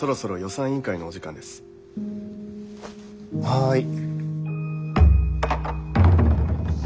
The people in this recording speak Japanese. はい。